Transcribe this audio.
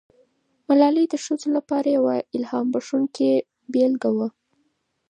ملالۍ د ښځو لپاره یوه الهام بښونکې بیلګه سوه.